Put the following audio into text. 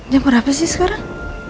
jam berapa sih sekarang